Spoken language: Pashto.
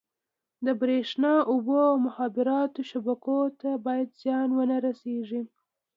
د بریښنا، اوبو او مخابراتو شبکو ته باید زیان ونه رسېږي.